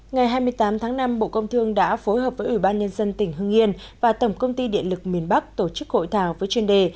ngày hai mươi tám tháng năm bộ công thương đã phối hợp với ủy ban nhân dân tỉnh hưng yên và tổng công ty điện lực miền bắc tổ chức hội thảo với chuyên đề